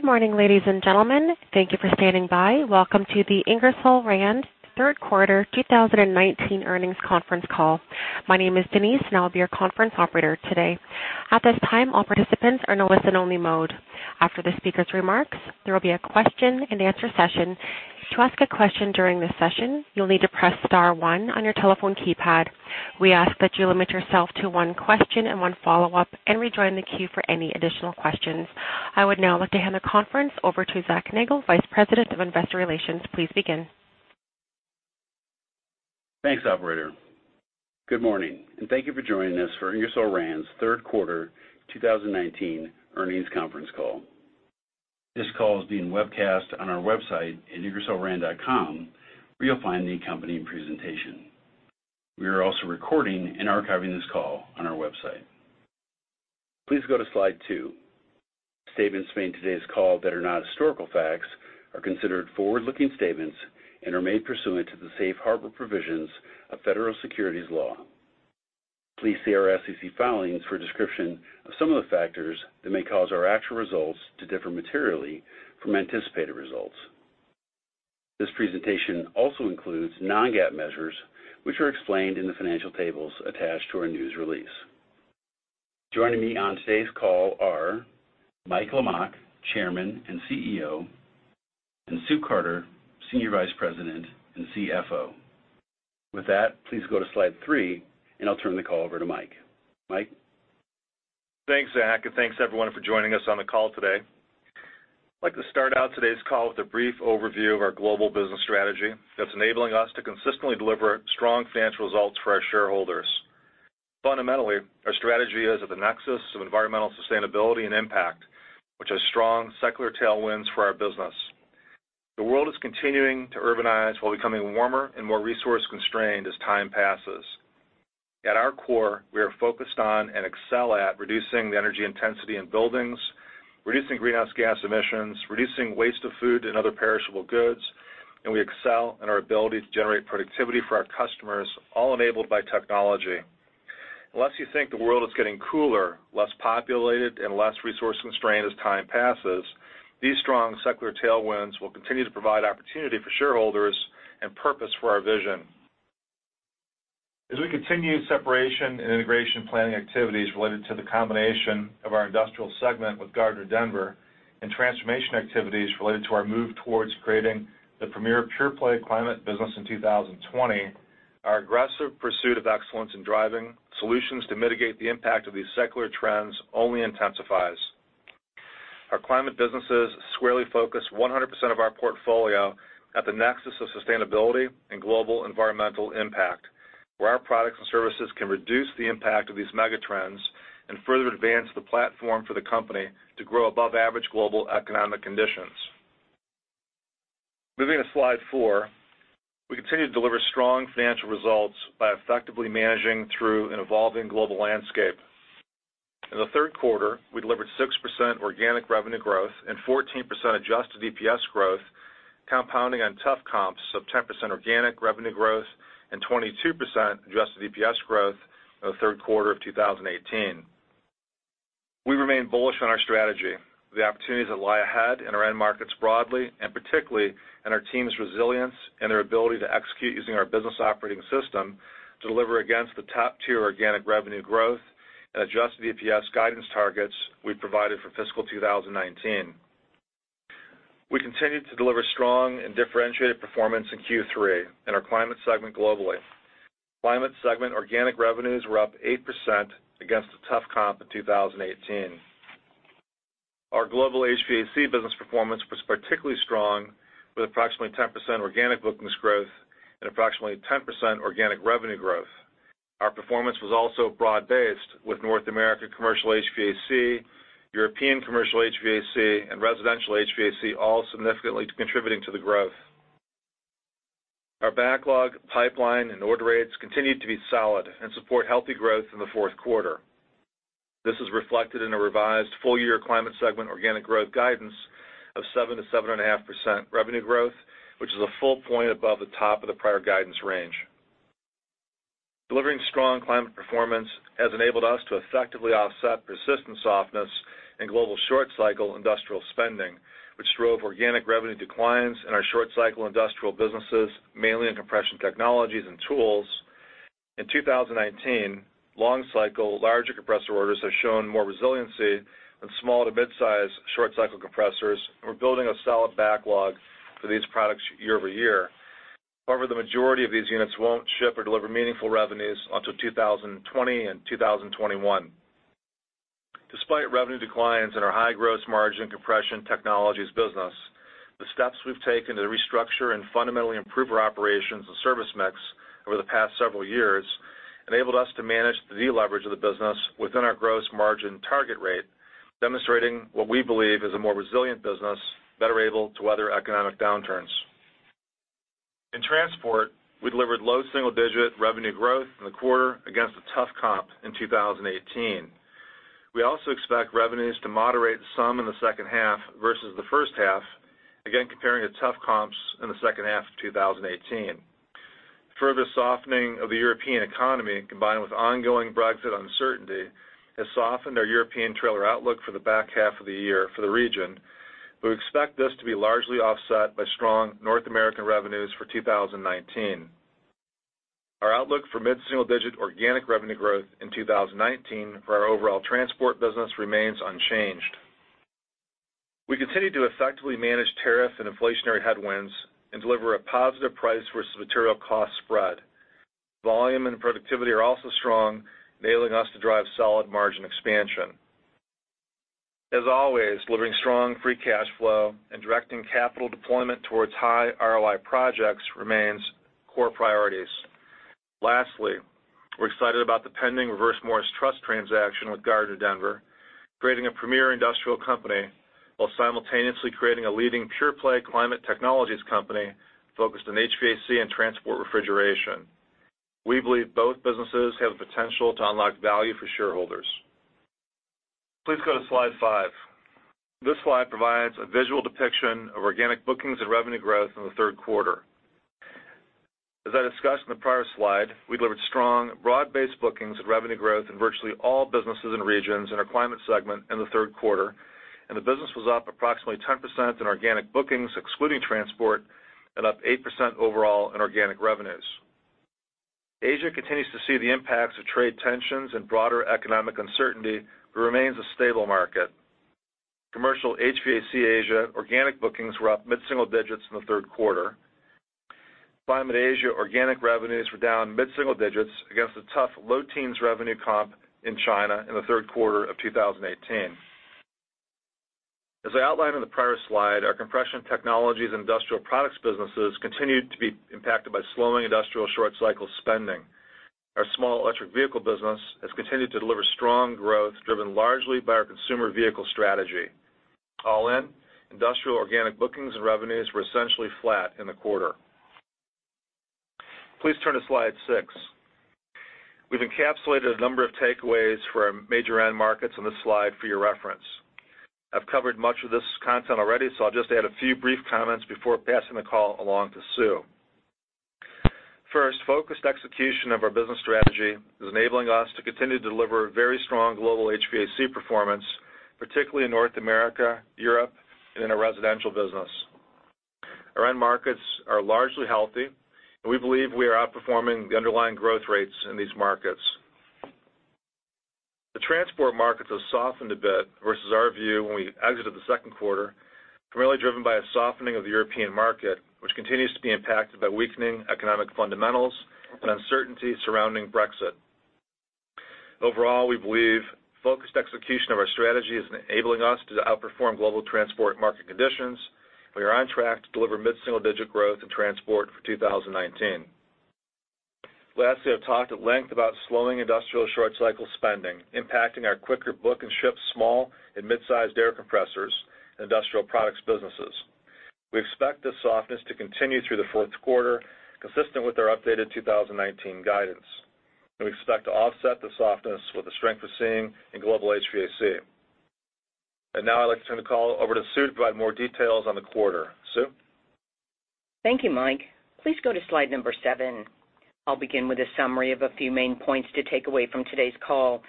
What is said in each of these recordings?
Good morning, ladies and gentlemen. Thank you for standing by. Welcome to the Ingersoll Rand third quarter 2019 earnings conference call. My name is Denise, and I'll be your conference operator today. At this time, all participants are in a listen only mode. After the speaker's remarks, there will be a question and answer session. To ask a question during this session, you'll need to press star one on your telephone keypad. We ask that you limit yourself to one question and one follow-up and rejoin the queue for any additional questions. I would now like to hand the conference over to Zach Nagle, Vice President of Investor Relations. Please begin. Thanks, operator. Good morning, thank you for joining us for Ingersoll Rand's third quarter 2019 earnings conference call. This call is being webcast on our website at ingersollrand.com, where you'll find the accompanying presentation. We are also recording and archiving this call on our website. Please go to slide two. Statements made in today's call that are not historical facts are considered forward-looking statements and are made pursuant to the safe harbor provisions of federal securities law. Please see our SEC filings for a description of some of the factors that may cause our actual results to differ materially from anticipated results. This presentation also includes non-GAAP measures, which are explained in the financial tables attached to our news release. Joining me on today's call are Michael Lamach, Chairman and CEO, and Susan Carter, Senior Vice President and CFO. With that, please go to slide three. I'll turn the call over to Mike. Mike? Thanks, Zach, and thanks everyone for joining us on the call today. I'd like to start out today's call with a brief overview of our global business strategy that's enabling us to consistently deliver strong financial results for our shareholders. Fundamentally, our strategy is at the nexus of environmental sustainability and impact, which has strong secular tailwinds for our business. The world is continuing to urbanize while becoming warmer and more resource-constrained as time passes. At our core, we are focused on and excel at reducing the energy intensity in buildings, reducing greenhouse gas emissions, reducing waste of food and other perishable goods, and we excel in our ability to generate productivity for our customers, all enabled by technology. Unless you think the world is getting cooler, less populated, and less resource-constrained as time passes, these strong secular tailwinds will continue to provide opportunity for shareholders and purpose for our vision. As we continue separation and integration planning activities related to the combination of our industrial segment with Gardner Denver and transformation activities related to our move towards creating the premier pure play climate business in 2020, our aggressive pursuit of excellence in driving solutions to mitigate the impact of these secular trends only intensifies. Our climate businesses squarely focus 100% of our portfolio at the nexus of sustainability and global environmental impact, where our products and services can reduce the impact of these mega trends and further advance the platform for the company to grow above average global economic conditions. Moving to slide four. We continue to deliver strong financial results by effectively managing through an evolving global landscape. In the third quarter, we delivered 6% organic revenue growth and 14% adjusted EPS growth, compounding on tough comps of 10% organic revenue growth and 22% adjusted EPS growth in the third quarter of 2018. We remain bullish on our strategy with the opportunities that lie ahead in our end markets broadly and particularly in our team's resilience and their ability to execute using our business operating system to deliver against the top tier organic revenue growth and adjusted EPS guidance targets we've provided for fiscal 2019. We continued to deliver strong and differentiated performance in Q3 in our Climate segment globally. Climate segment organic revenues were up 8% against a tough comp in 2018. Our global HVAC business performance was particularly strong with approximately 10% organic bookings growth and approximately 10% organic revenue growth. Our performance was also broad-based with North America commercial HVAC, European commercial HVAC, and residential HVAC all significantly contributing to the growth. Our backlog, pipeline, and order rates continued to be solid and support healthy growth in the fourth quarter. This is reflected in a revised full-year Climate segment organic growth guidance of 7%-7.5% revenue growth, which is a full point above the top of the prior guidance range. Delivering strong Climate performance has enabled us to effectively offset persistent softness in global short cycle industrial spending, which drove organic revenue declines in our short cycle industrial businesses, mainly in compression technologies and tools. In 2019, long cycle larger compressor orders have shown more resiliency than small to mid-size short cycle compressors, and we're building a solid backlog for these products year-over-year. The majority of these units won't ship or deliver meaningful revenues until 2020 and 2021. Despite revenue declines in our high gross margin compression technologies business, the steps we've taken to restructure and fundamentally improve our operations and service mix over the past several years enabled us to manage the deleverage of the business within our gross margin target rate, demonstrating what we believe is a more resilient business better able to weather economic downturns. In transport, we delivered low single-digit revenue growth in the quarter against a tough comp in 2018. We also expect revenues to moderate some in the second half versus the first half, again, comparing to tough comps in the second half of 2018. Further softening of the European economy, combined with ongoing Brexit uncertainty, has softened our European trailer outlook for the back half of the year for the region. We expect this to be largely offset by strong North American revenues for 2019. Our outlook for mid-single-digit organic revenue growth in 2019 for our overall transport business remains unchanged. We continue to effectively manage tariff and inflationary headwinds and deliver a positive price versus material cost spread. Volume and productivity are also strong, enabling us to drive solid margin expansion. As always, delivering strong free cash flow and directing capital deployment towards high ROI projects remains core priorities. Lastly, we're excited about the pending Reverse Morris Trust transaction with Gardner Denver, creating a premier industrial company while simultaneously creating a leading pure play climate technologies company focused on HVAC and transport refrigeration. We believe both businesses have the potential to unlock value for shareholders. Please go to slide five. This slide provides a visual depiction of organic bookings and revenue growth in the third quarter. As I discussed in the prior slide, we delivered strong broad-based bookings and revenue growth in virtually all businesses and regions in our Climate segment in the third quarter, and the business was up approximately 10% in organic bookings excluding transport, and up 8% overall in organic revenues. Asia continues to see the impacts of trade tensions and broader economic uncertainty, but remains a stable market. Commercial HVAC Asia organic bookings were up mid-single digits in the third quarter. Climate Asia organic revenues were down mid-single digits against a tough low teens revenue comp in China in the third quarter of 2018. As I outlined on the prior slide, our compression technologies and industrial products businesses continued to be impacted by slowing industrial short cycle spending. Our small electric vehicle business has continued to deliver strong growth, driven largely by our consumer vehicle strategy. All in, industrial organic bookings and revenues were essentially flat in the quarter. Please turn to slide six. We've encapsulated a number of takeaways for our major end markets on this slide for your reference. I've covered much of this content already, so I'll just add a few brief comments before passing the call along to Sue. First, focused execution of our business strategy is enabling us to continue to deliver very strong global HVAC performance, particularly in North America, Europe, and in our residential business. Our end markets are largely healthy, and we believe we are outperforming the underlying growth rates in these markets. The transport markets have softened a bit versus our view when we exited the second quarter, primarily driven by a softening of the European market, which continues to be impacted by weakening economic fundamentals and uncertainty surrounding Brexit. Overall, we believe focused execution of our strategy is enabling us to outperform global transport market conditions. We are on track to deliver mid-single digit growth in transport for 2019. Lastly, I've talked at length about slowing industrial short cycle spending impacting our quicker book and ship small and mid-sized air compressors and industrial products businesses. We expect this softness to continue through the fourth quarter, consistent with our updated 2019 guidance, and we expect to offset the softness with the strength we're seeing in global HVAC. Now I'd like to turn the call over to Sue to provide more details on the quarter. Sue? Thank you, Mike. Please go to slide number seven. I'll begin with a summary of a few main points to take away from today's call.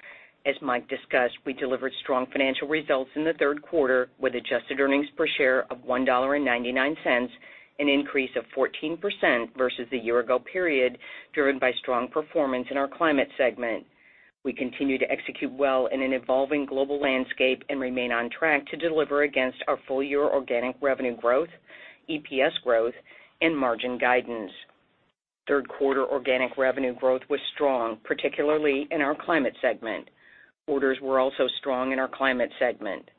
As Mike discussed, we delivered strong financial results in the third quarter with adjusted earnings per share of $1.99, an increase of 14% versus the year ago period, driven by strong performance in our climate segment. We continue to execute well in an evolving global landscape and remain on track to deliver against our full year organic revenue growth, EPS growth, and margin guidance. Third quarter organic revenue growth was strong, particularly in our climate segment. Orders were also strong in our climate segment.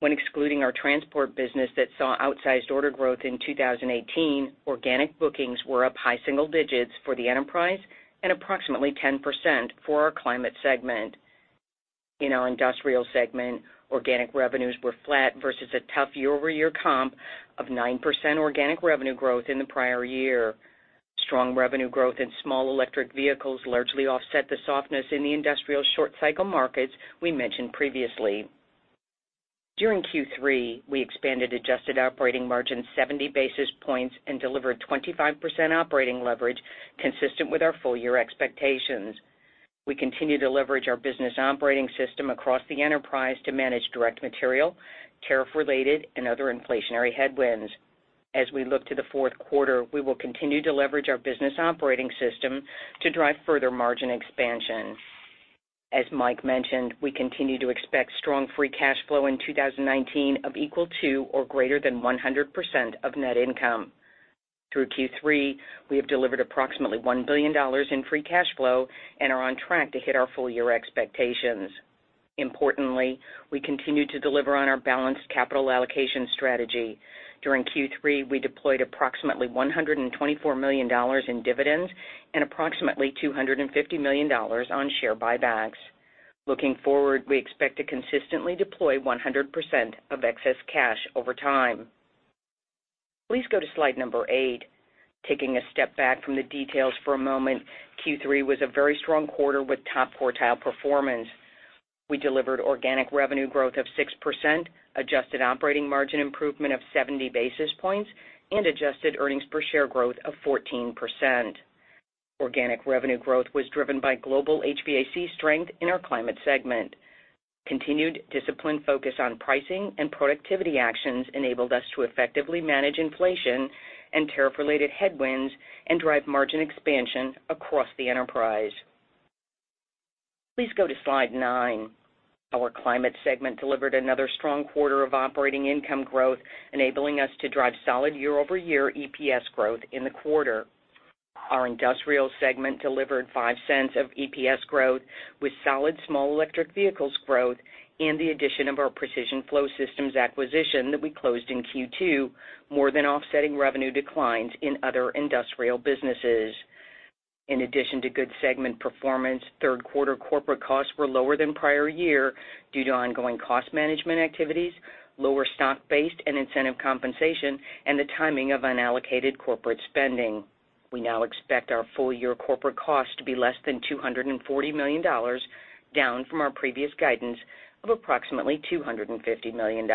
When excluding our transport business that saw outsized order growth in 2018, organic bookings were up high single digits for the enterprise and approximately 10% for our climate segment. In our industrial segment, organic revenues were flat versus a tough year-over-year comp of 9% organic revenue growth in the prior year. Strong revenue growth in small electric vehicles largely offset the softness in the industrial short cycle markets we mentioned previously. During Q3, we expanded adjusted operating margin 70 basis points and delivered 25% operating leverage consistent with our full year expectations. We continue to leverage our business operating system across the enterprise to manage direct material, tariff related, and other inflationary headwinds. As we look to the fourth quarter, we will continue to leverage our business operating system to drive further margin expansion. As Mike mentioned, we continue to expect strong free cash flow in 2019 of equal to or greater than 100% of net income. Through Q3, we have delivered approximately $1 billion in free cash flow and are on track to hit our full year expectations. Importantly, we continue to deliver on our balanced capital allocation strategy. During Q3, we deployed approximately $124 million in dividends and approximately $250 million on share buybacks. Looking forward, we expect to consistently deploy 100% of excess cash over time. Please go to slide number eight. Taking a step back from the details for a moment, Q3 was a very strong quarter with top quartile performance. We delivered organic revenue growth of 6%, adjusted operating margin improvement of 70 basis points, and adjusted EPS growth of 14%. Organic revenue growth was driven by global HVAC strength in our climate segment. Continued disciplined focus on pricing and productivity actions enabled us to effectively manage inflation and tariff-related headwinds and drive margin expansion across the enterprise. Please go to slide nine. Our climate segment delivered another strong quarter of operating income growth, enabling us to drive solid year-over-year EPS growth in the quarter. Our industrial segment delivered $0.05 of EPS growth with solid small electric vehicles growth and the addition of our Precision Flow Systems acquisition that we closed in Q2, more than offsetting revenue declines in other industrial businesses. In addition to good segment performance, third quarter corporate costs were lower than prior year due to ongoing cost management activities, lower stock-based and incentive compensation, and the timing of unallocated corporate spending. We now expect our full-year corporate cost to be less than $240 million, down from our previous guidance of approximately $250 million.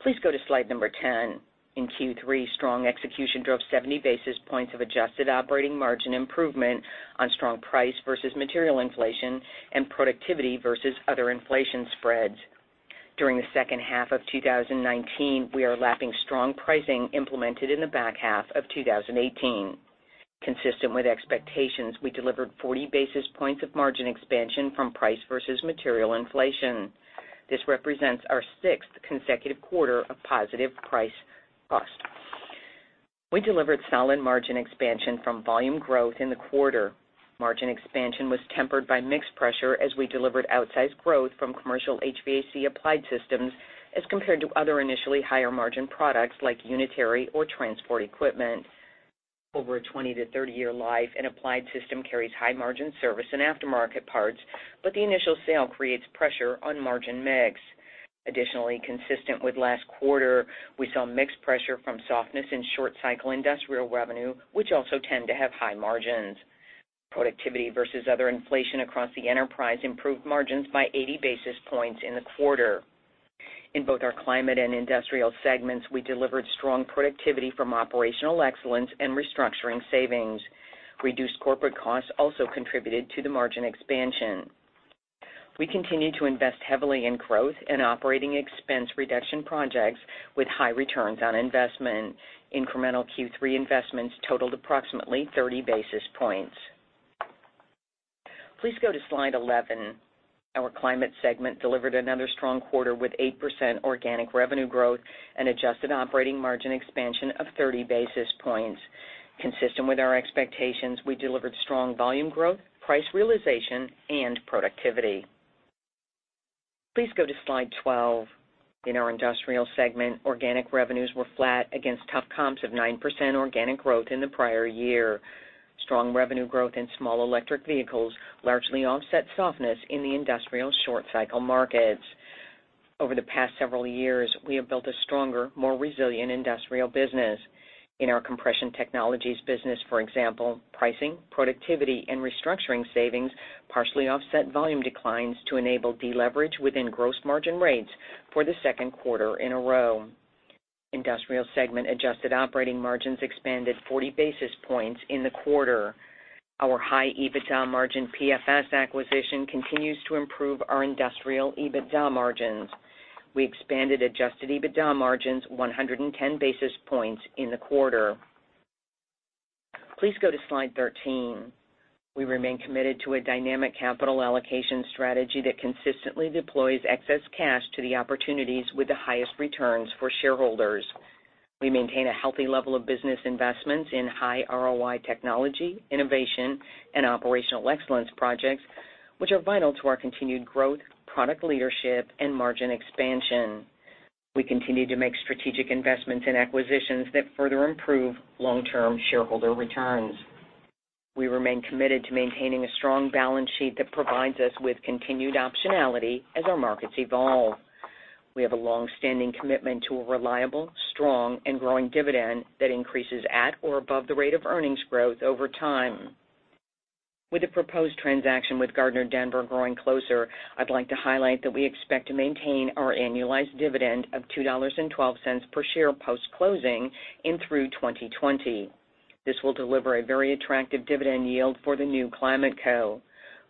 Please go to slide number 10. In Q3, strong execution drove 70 basis points of adjusted operating margin improvement on strong price versus material inflation and productivity versus other inflation spreads. During the second half of 2019, we are lapping strong pricing implemented in the back half of 2018. Consistent with expectations, we delivered 40 basis points of margin expansion from price versus material inflation. This represents our sixth consecutive quarter of positive price cost. We delivered solid margin expansion from volume growth in the quarter. Margin expansion was tempered by mix pressure as we delivered outsized growth from commercial HVAC applied systems as compared to other initially higher margin products like unitary or transport equipment. Over a 20 to 30 year life, an applied system carries high margin service and aftermarket parts. The initial sale creates pressure on margin mix. Additionally, consistent with last quarter, we saw mix pressure from softness in short cycle industrial revenue, which also tend to have high margins. Productivity versus other inflation across the enterprise improved margins by 80 basis points in the quarter. In both our Climate and Industrial segments, we delivered strong productivity from operational excellence and restructuring savings. Reduced corporate costs also contributed to the margin expansion. We continue to invest heavily in growth and operating expense reduction projects with high returns on investment. Incremental Q3 investments totaled approximately 30 basis points. Please go to slide 11. Our Climate segment delivered another strong quarter with 8% organic revenue growth and adjusted operating margin expansion of 30 basis points. Consistent with our expectations, we delivered strong volume growth, price realization, and productivity. Please go to slide 12. In our Industrial segment, organic revenues were flat against tough comps of nine percent organic growth in the prior year. Strong revenue growth in small electric vehicles largely offset softness in the industrial short cycle markets. Over the past several years, we have built a stronger, more resilient Industrial business. In our compression technologies business, for example, pricing, productivity, and restructuring savings partially offset volume declines to enable deleverage within gross margin rates for the second quarter in a row. Industrial segment adjusted operating margins expanded 40 basis points in the quarter. Our high EBITDA margin PFS acquisition continues to improve our industrial EBITDA margins. We expanded adjusted EBITDA margins 110 basis points in the quarter. Please go to slide 13. We remain committed to a dynamic capital allocation strategy that consistently deploys excess cash to the opportunities with the highest returns for shareholders. We maintain a healthy level of business investments in high ROI technology, innovation, and operational excellence projects, which are vital to our continued growth, product leadership, and margin expansion. We continue to make strategic investments in acquisitions that further improve long-term shareholder returns. We remain committed to maintaining a strong balance sheet that provides us with continued optionality as our markets evolve. We have a longstanding commitment to a reliable, strong and growing dividend that increases at or above the rate of earnings growth over time. With the proposed transaction with Gardner Denver growing closer, I'd like to highlight that we expect to maintain our annualized dividend of $2.12 per share post-closing in through 2020. This will deliver a very attractive dividend yield for the new ClimateCo.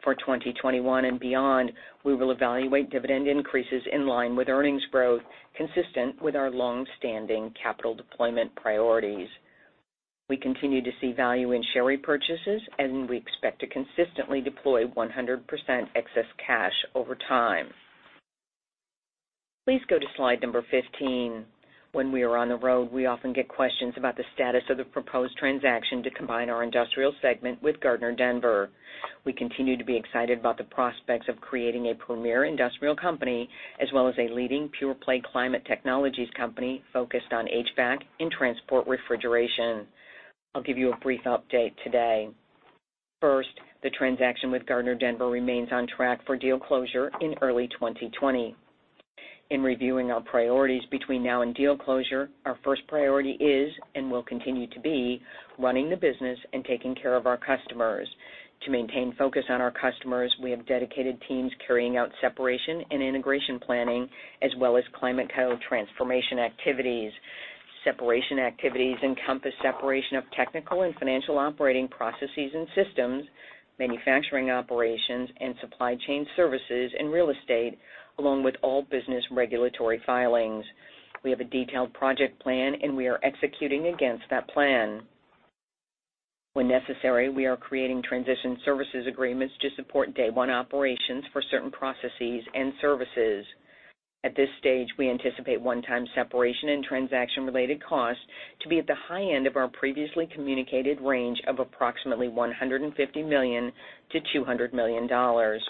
For 2021 and beyond, we will evaluate dividend increases in line with earnings growth consistent with our longstanding capital deployment priorities. We continue to see value in share repurchases, and we expect to consistently deploy 100% excess cash over time. Please go to slide number 15. When we are on the road, we often get questions about the status of the proposed transaction to combine our industrial segment with Gardner Denver. We continue to be excited about the prospects of creating a premier industrial company as well as a leading pure play climate technologies company focused on HVAC and transport refrigeration. I'll give you a brief update today. First, the transaction with Gardner Denver remains on track for deal closure in early 2020. In reviewing our priorities between now and deal closure, our first priority is and will continue to be running the business and taking care of our customers. To maintain focus on our customers, we have dedicated teams carrying out separation and integration planning as well as ClimateCo transformation activities. Separation activities encompass separation of technical and financial operating processes and systems, manufacturing operations, and supply chain services in real estate, along with all business regulatory filings. We have a detailed project plan, and we are executing against that plan. When necessary, we are creating transition services agreements to support day one operations for certain processes and services. At this stage, we anticipate one-time separation and transaction-related costs to be at the high end of our previously communicated range of approximately $150 million-$200 million.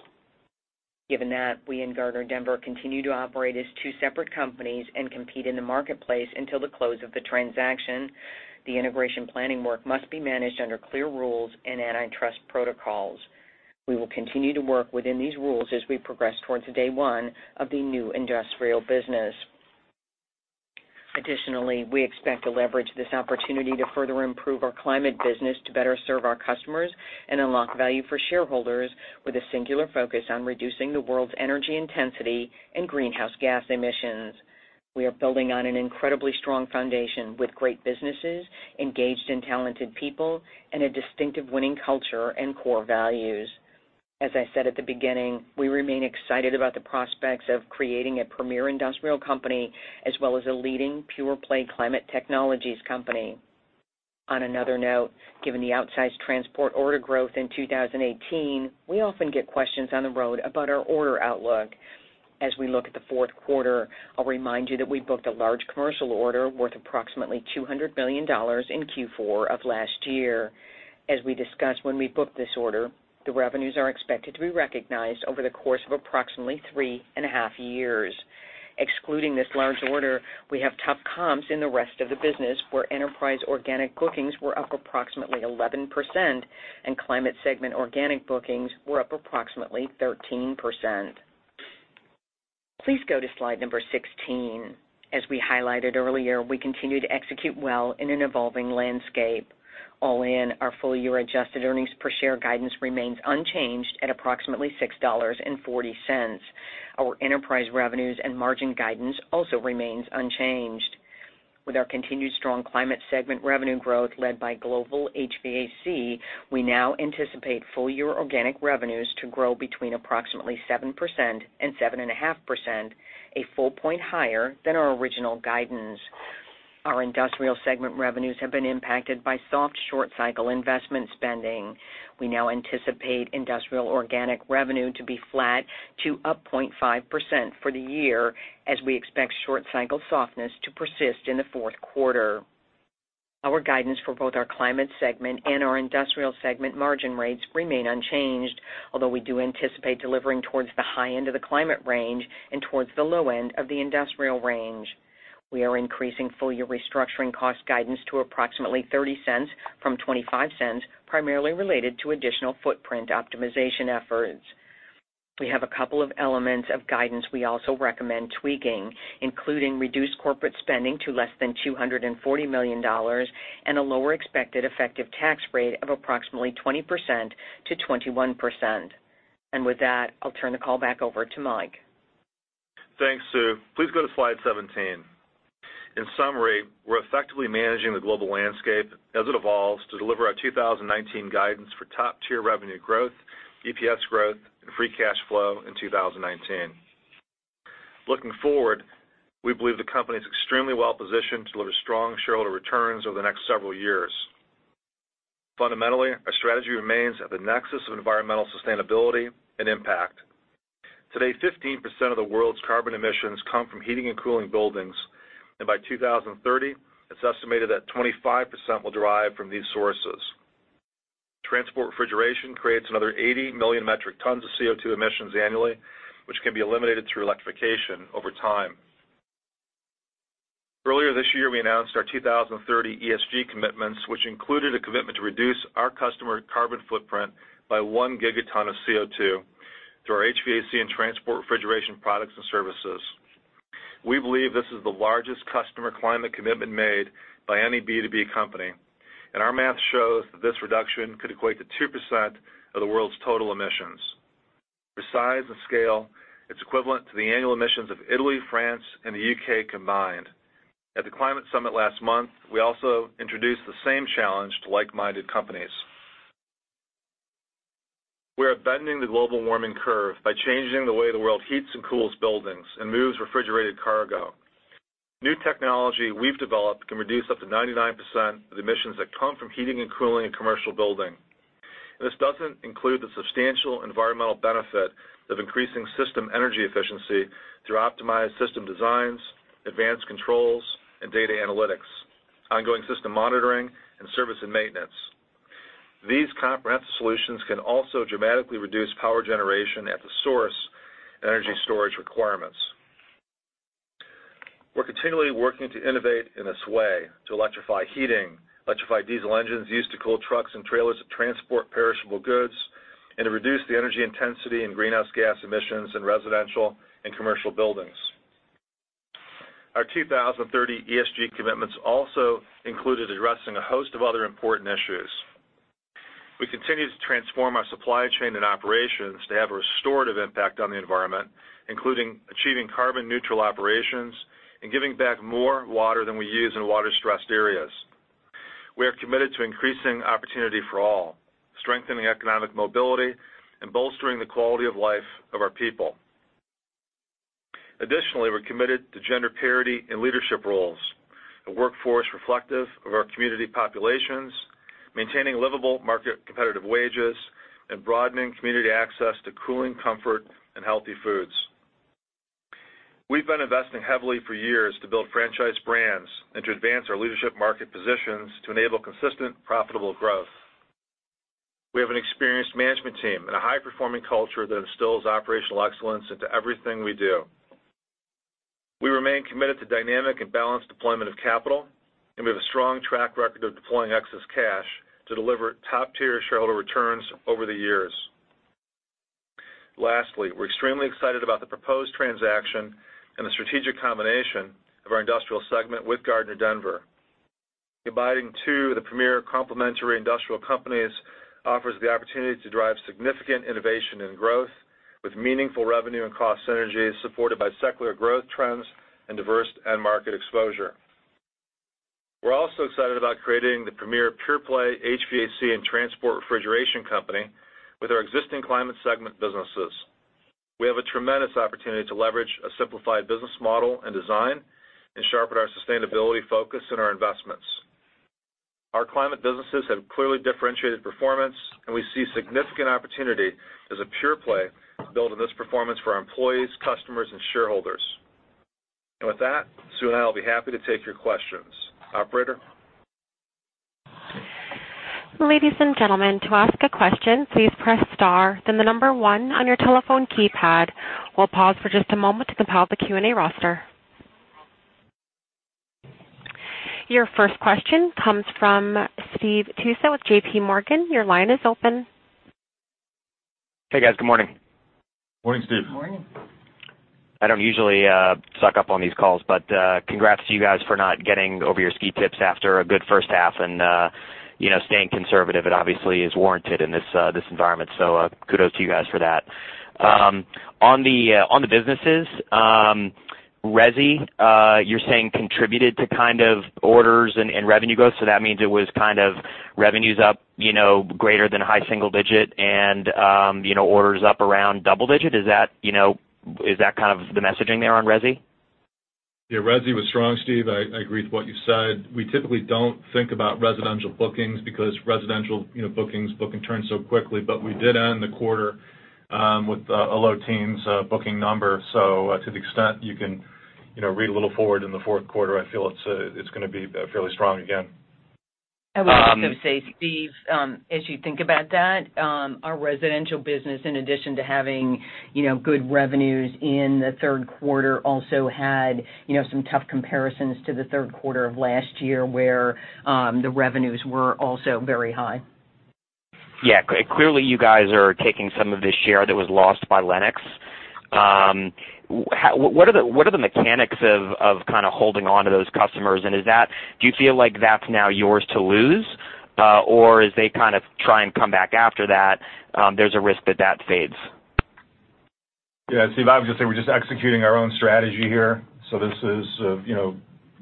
Given that we and Gardner Denver continue to operate as two separate companies and compete in the marketplace until the close of the transaction, the integration planning work must be managed under clear rules and antitrust protocols. We will continue to work within these rules as we progress towards day one of the new industrial business. Additionally, we expect to leverage this opportunity to further improve our climate business to better serve our customers and unlock value for shareholders with a singular focus on reducing the world's energy intensity and greenhouse gas emissions. We are building on an incredibly strong foundation with great businesses, engaged and talented people, and a distinctive winning culture and core values. As I said at the beginning, we remain excited about the prospects of creating a premier industrial company as well as a leading pure-play climate technologies company. On another note, given the outsized transport order growth in 2018, we often get questions on the road about our order outlook. As we look at the fourth quarter, I'll remind you that we booked a large commercial order worth approximately $200 million in Q4 of last year. As we discussed when we booked this order, the revenues are expected to be recognized over the course of approximately 3.5 years. Excluding this large order, we have tough comps in the rest of the business, where enterprise organic bookings were up approximately 11% and Climate segment organic bookings were up approximately 13%. Please go to slide number 16. As we highlighted earlier, we continue to execute well in an evolving landscape. All in, our full-year adjusted earnings per share guidance remains unchanged at approximately $6.40. Our enterprise revenues and margin guidance also remains unchanged. With our continued strong Climate segment revenue growth led by global HVAC, we now anticipate full year organic revenues to grow between approximately 7%-7.5%, a full point higher than our original guidance. Our Industrial segment revenues have been impacted by soft short cycle investment spending. We now anticipate industrial organic revenue to be flat to up 0.5% for the year as we expect short cycle softness to persist in the fourth quarter. Our guidance for both our Climate segment and our Industrial segment margin rates remain unchanged, although we do anticipate delivering towards the high end of the Climate range and towards the low end of the Industrial range. We are increasing full year restructuring cost guidance to approximately $0.30 from $0.25, primarily related to additional footprint optimization efforts. We have a couple of elements of guidance we also recommend tweaking, including reduced corporate spending to less than $240 million and a lower expected effective tax rate of approximately 20%-21%. With that, I'll turn the call back over to Mike. Thanks, Sue. Please go to slide 17. In summary, we're effectively managing the global landscape as it evolves to deliver our 2019 guidance for top-tier revenue growth, EPS growth, and free cash flow in 2019. Looking forward, we believe the company is extremely well positioned to deliver strong shareholder returns over the next several years. Fundamentally, our strategy remains at the nexus of environmental sustainability and impact. Today, 15% of the world's carbon emissions come from heating and cooling buildings, and by 2030, it's estimated that 25% will derive from these sources. Transport refrigeration creates another 80 million metric tons of CO2 emissions annually, which can be eliminated through electrification over time. Earlier this year, we announced our 2030 ESG commitments, which included a commitment to reduce our customer carbon footprint by one gigaton of CO2 through our HVAC and transport refrigeration products and services. We believe this is the largest customer climate commitment made by any B2B company, and our math shows that this reduction could equate to 2% of the world's total emissions. For size and scale, it's equivalent to the annual emissions of Italy, France, and the U.K. combined. At the Climate Summit last month, we also introduced the same challenge to like-minded companies. We are bending the global warming curve by changing the way the world heats and cools buildings and moves refrigerated cargo. New technology we've developed can reduce up to 99% of emissions that come from heating and cooling a commercial building. This doesn't include the substantial environmental benefit of increasing system energy efficiency through optimized system designs, advanced controls, and data analytics, ongoing system monitoring, and service and maintenance. These comprehensive solutions can also dramatically reduce power generation at the source and energy storage requirements. Continually working to innovate in a way to electrify heating, electrify diesel engines used to cool trucks and trailers that transport perishable goods, and to reduce the energy intensity and greenhouse gas emissions in residential and commercial buildings. Our 2030 ESG commitments also included addressing a host of other important issues. We continue to transform our supply chain and operations to have a restorative impact on the environment, including achieving carbon neutral operations and giving back more water than we use in water stressed areas. We are committed to increasing opportunity for all, strengthening economic mobility and bolstering the quality of life of our people. Additionally, we're committed to gender parity in leadership roles, a workforce reflective of our community populations, maintaining livable market competitive wages, and broadening community access to cooling comfort and healthy foods. We've been investing heavily for years to build franchise brands and to advance our leadership market positions to enable consistent profitable growth. We have an experienced management team and a high performing culture that instills operational excellence into everything we do. We remain committed to dynamic and balanced deployment of capital, and we have a strong track record of deploying excess cash to deliver top tier shareholder returns over the years. Lastly, we're extremely excited about the proposed transaction and the strategic combination of our industrial segment with Gardner Denver. Combining two of the premier complementary industrial companies offers the opportunity to drive significant innovation and growth with meaningful revenue and cost synergies supported by secular growth trends and diverse end market exposure. We're also excited about creating the premier pure play HVAC and transport refrigeration company with our existing climate segment businesses. We have a tremendous opportunity to leverage a simplified business model and design and sharpen our sustainability focus and our investments. Our climate businesses have clearly differentiated performance, and we see significant opportunity as a pure play to build on this performance for our employees, customers, and shareholders. With that, Sue and I will be happy to take your questions. Operator? Ladies and gentlemen, to ask a question, please press star, then the number one on your telephone keypad. We'll pause for just a moment to compile the Q&A roster. Your first question comes from Steve Tusa with J.P. Morgan. Your line is open. Hey, guys. Good morning. Morning, Steve. Morning. I don't usually suck up on these calls, congrats to you guys for not getting over your ski tips after a good first half and staying conservative. It obviously is warranted in this environment. Kudos to you guys for that. On the businesses, Resi you're saying contributed to kind of orders and revenue growth, so that means it was kind of revenues up greater than high single-digit and orders up around double-digit. Is that kind of the messaging there on Resi? Yeah, Resi was strong, Steve. I agree with what you said. We typically don't think about residential bookings because residential bookings book and turn so quickly. We did end the quarter with a low teens booking number. To the extent you can read a little forward in the fourth quarter, I feel it's going to be fairly strong again. I would also say, Steve, as you think about that, our residential business, in addition to having good revenues in the third quarter, also had some tough comparisons to the third quarter of last year where the revenues were also very high. Yeah. Clearly you guys are taking some of the share that was lost by Lennox. What are the mechanics of kind of holding onto those customers and do you feel like that's now yours to lose? As they kind of try and come back after that there's a risk that that fades? Yeah, Steve, I would just say we're just executing our own strategy here. This is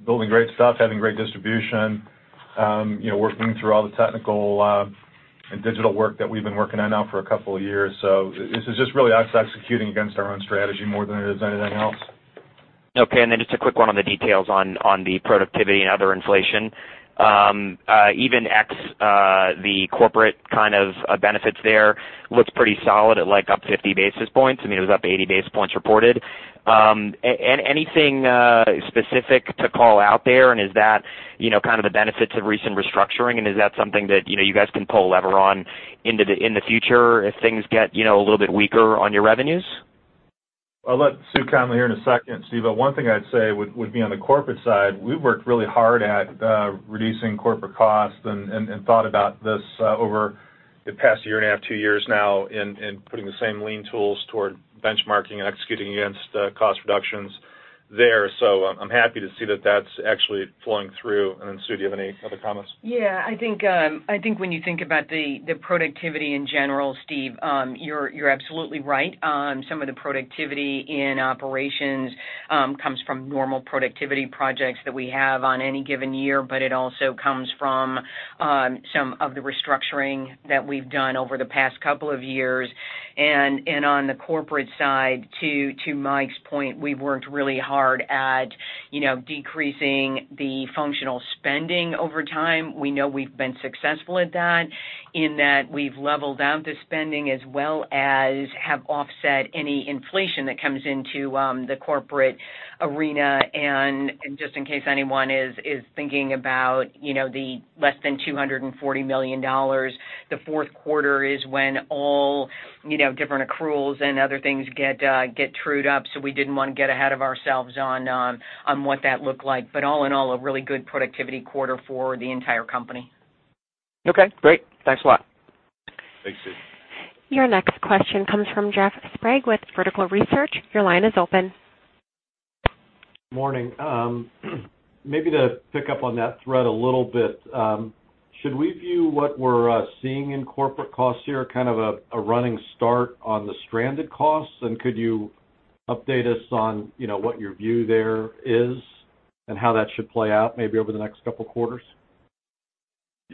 building great stuff, having great distribution, working through all the technical and digital work that we've been working on now for a couple of years. This is just really us executing against our own strategy more than it is anything else. Okay. Just a quick one on the details on the productivity and other inflation. Even ex the corporate kind of benefits there looks pretty solid at like up 50 basis points. I mean, it was up 80 basis points reported. Anything specific to call out there? Is that kind of the benefits of recent restructuring, and is that something that you guys can pull lever on in the future if things get a little bit weaker on your revenues? I'll let Sue comment here in a second, Steve, but one thing I'd say would be on the corporate side. We've worked really hard at reducing corporate costs and thought about this over the past year and a half, two years now in putting the same lean tools toward benchmarking and executing against cost reductions there. I'm happy to see that that's actually flowing through. Sue, do you have any other comments? I think when you think about the productivity in general, Steve, you're absolutely right. Some of the productivity in operations comes from normal productivity projects that we have on any given year. It also comes from some of the restructuring that we've done over the past couple of years. On the corporate side too, to Mike's point, we've worked really hard at decreasing the functional spending over time. We know we've been successful at that in that we've leveled out the spending as well as have offset any inflation that comes into the corporate arena. Just in case anyone is thinking about the less than $240 million, the fourth quarter is when all different accruals and other things get trued up. We didn't want to get ahead of ourselves on what that looked like. All in all, a really good productivity quarter for the entire company. Okay, great. Thanks a lot. Thanks, Steve. Your next question comes from Jeff Sprague with Vertical Research. Your line is open. Morning. Maybe to pick up on that thread a little bit, should we view what we're seeing in corporate costs here kind of a running start on the stranded costs? Could you update us on what your view there is and how that should play out maybe over the next couple quarters?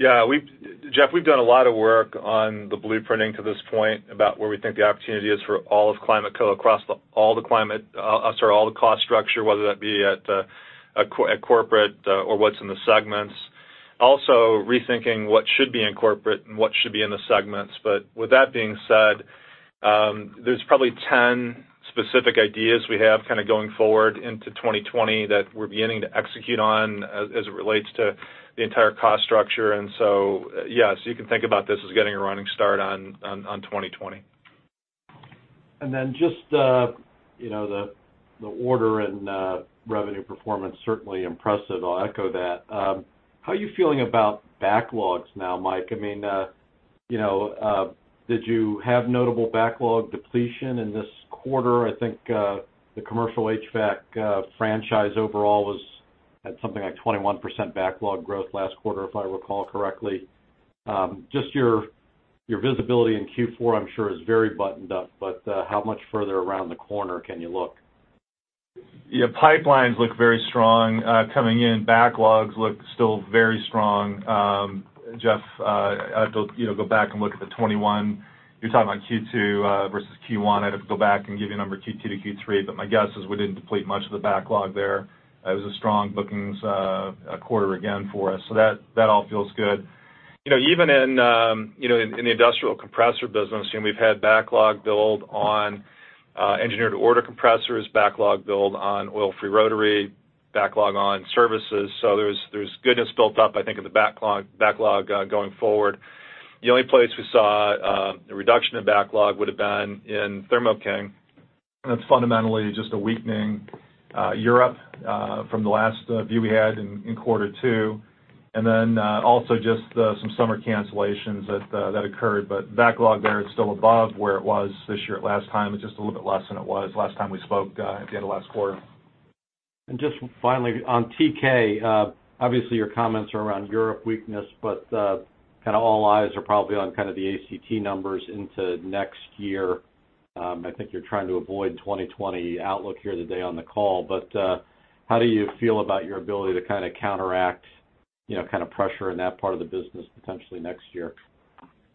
Jeff, we've done a lot of work on the blueprinting to this point about where we think the opportunity is for all of ClimateCo across all the cost structure, whether that be at corporate or what's in the segments. Also rethinking what should be in corporate and what should be in the segments. With that being said, there's probably 10 specific ideas we have going forward into 2020 that we're beginning to execute on as it relates to the entire cost structure. Yes, you can think about this as getting a running start on 2020. Just the order and revenue performance, certainly impressive. I'll echo that. How are you feeling about backlogs now, Mike? Did you have notable backlog depletion in this quarter? I think the commercial HVAC franchise overall was at something like 21% backlog growth last quarter, if I recall correctly. Just your visibility in Q4 I'm sure is very buttoned up, but how much further around the corner can you look? Yeah, pipelines look very strong coming in. Backlogs look still very strong. Jeff, I'd have to go back and look at the 21. You're talking about Q2 versus Q1. I'd have to go back and give you a number Q2 to Q3, but my guess is we didn't deplete much of the backlog there. It was a strong bookings quarter again for us. That all feels good. Even in the industrial compressor business, we've had backlog build on engineered order compressors, backlog build on oil-free rotary, backlog on services. There's goodness built up, I think, in the backlog going forward. The only place we saw a reduction in backlog would have been in Thermo King. That's fundamentally just a weakening Europe from the last view we had in quarter two, and then also just some summer cancellations that occurred. Backlog there is still above where it was this year at last time. It's just a little bit less than it was last time we spoke at the end of last quarter. Just finally on TK, obviously your comments are around Europe weakness, but all eyes are probably on the ACT numbers into next year. I think you're trying to avoid 2020 outlook here today on the call. How do you feel about your ability to counteract pressure in that part of the business potentially next year?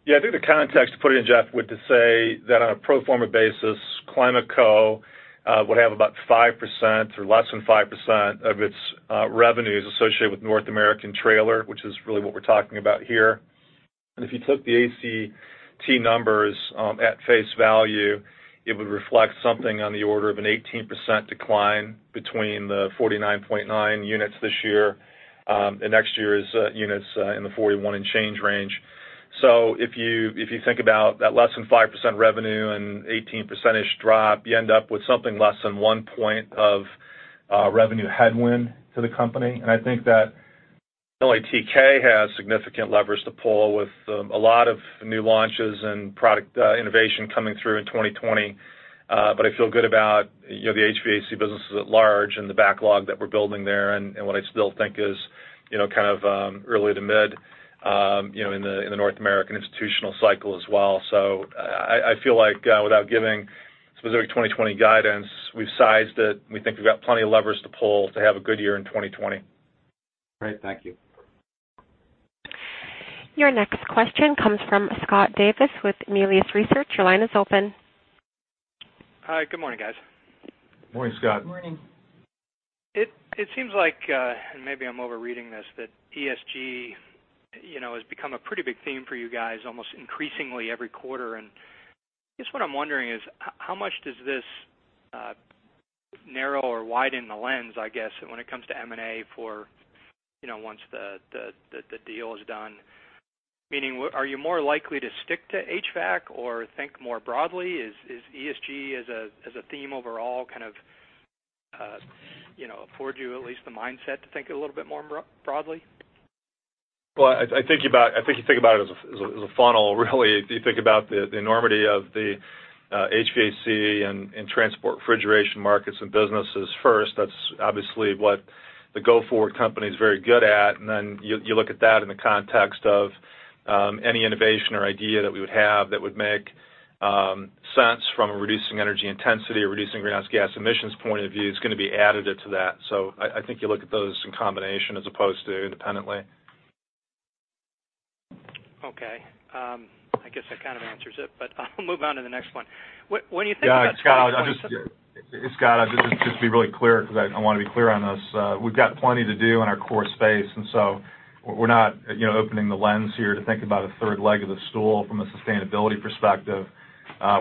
Yeah, I think the context to put it in, Jeff, would to say that on a pro forma basis, ClimateCo would have about 5% or less than 5% of its revenues associated with North American trailer, which is really what we're talking about here. If you took the ACT numbers at face value, it would reflect something on the order of an 18% decline between the 49.9 units this year, and next year is units in the 41 and change range. If you think about that less than 5% revenue and 18 percentage drop, you end up with something less than one point of revenue headwind to the company. I think that LATK has significant levers to pull with a lot of new launches and product innovation coming through in 2020. I feel good about the HVAC businesses at large and the backlog that we're building there and what I still think is early to mid in the North American institutional cycle as well. I feel like without giving specific 2020 guidance, we've sized it. We think we've got plenty of levers to pull to have a good year in 2020. Great. Thank you. Your next question comes from Scott Davis with Melius Research. Your line is open. Hi. Good morning, guys. Morning, Scott. Morning. It seems like, and maybe I'm overreading this, that ESG has become a pretty big theme for you guys, almost increasingly every quarter. I guess what I'm wondering is how much does this narrow or widen the lens, I guess, when it comes to M&A for once the deal is done? Meaning, are you more likely to stick to HVAC or think more broadly? Is ESG as a theme overall kind of afford you at least the mindset to think a little bit more broadly? Well, I think you think about it as a funnel, really. You think about the enormity of the HVAC and transport refrigeration markets and businesses first. That's obviously what the go-forward company is very good at. Then you look at that in the context of any innovation or idea that we would have that would make sense from a reducing energy intensity or reducing greenhouse gas emissions point of view is going to be additive to that. I think you look at those in combination as opposed to independently. Okay. I guess that kind of answers it, but I'll move on to the next one. When you think about- Yeah, Scott, just to be really clear, because I want to be clear on this. We've got plenty to do in our core space, so we're not opening the lens here to think about a third leg of the stool from a sustainability perspective.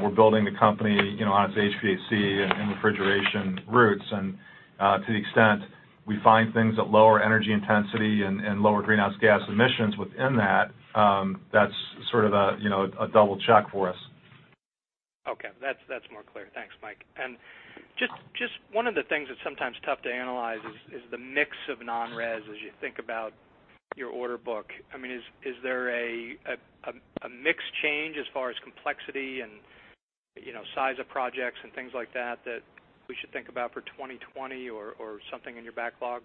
We're building the company on its HVAC and refrigeration roots. To the extent we find things at lower energy intensity and lower greenhouse gas emissions within that. That's sort of a double check for us. Okay. That's more clear. Thanks, Mike. Just one of the things that's sometimes tough to analyze is the mix of non-res as you think about your order book. Is there a mix change as far as complexity and size of projects and things like that we should think about for 2020 or something in your backlog?